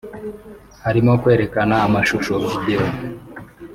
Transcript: harimo kwerekana amashusho